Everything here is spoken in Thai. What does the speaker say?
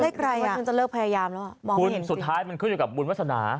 ให้ใครอ่ะว่าฉันจะเลิกพยายามแล้วอ่ะมองไม่เห็นสิคุณสุดท้ายมันขึ้นอยู่กับบุญวาสนา